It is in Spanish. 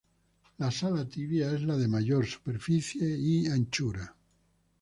La sala tibia es la de mayor superficie y anchura.